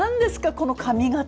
この髪形。